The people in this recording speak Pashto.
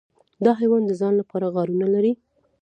دا حیوان د ځان لپاره غارونه لري.